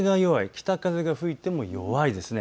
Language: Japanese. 北風が吹いても弱いです。